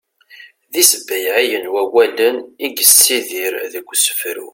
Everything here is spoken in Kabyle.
d isbayɛiyen wawalen i yessidir deg usefru